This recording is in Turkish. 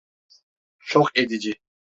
Şok edici.